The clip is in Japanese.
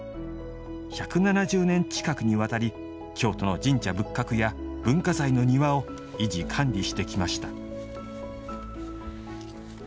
１７０年近くにわたり京都の神社仏閣や文化財の庭を維持・管理してきました。